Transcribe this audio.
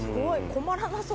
困らなそう。